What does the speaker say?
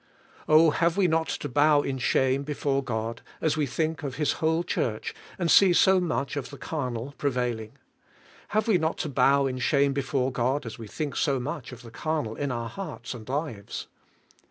Oh, have we not to bow in shame before God, as we think of His whole Church and see so much of the carnal prevailing? Have we not to bow CARNAL CHRISTIANS 25 in shame before God, as we think of so much of the carnal in our hearts and lives?